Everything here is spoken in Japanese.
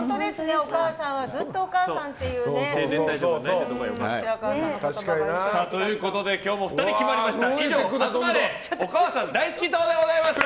お母さんはずっとお母さんっていうね。ということで今日も２人、決まりました。